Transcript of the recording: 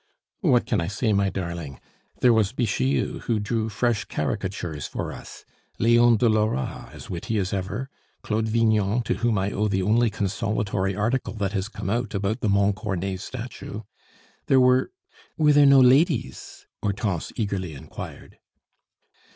"What can I say, my darling? There was Bixiou, who drew fresh caricatures for us; Leon de Lora, as witty as ever; Claude Vignon, to whom I owe the only consolatory article that has come out about the Montcornet statue. There were " "Were there no ladies?" Hortense eagerly inquired.